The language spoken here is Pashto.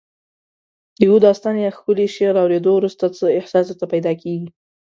د یو داستان یا ښکلي شعر اوریدو وروسته څه احساس درته پیدا کیږي؟